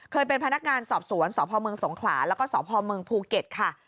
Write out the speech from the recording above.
เป็นพนักงานสอบสวนสพเมืองสงขลาแล้วก็สพเมืองภูเก็ตค่ะ